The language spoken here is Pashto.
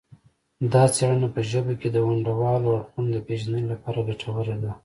دا څیړنه په ژبه کې د ونډوالو اړخونو د پیژندنې لپاره ګټوره ده